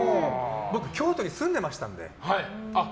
僕、京都に住んでましたので。